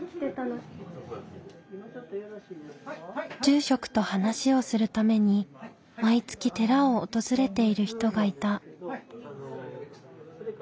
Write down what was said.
住職と話をするために毎月寺を訪れている人がいた。